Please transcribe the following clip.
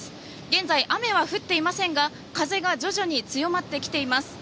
現在、雨が降っていませんが風が徐々に強まっています。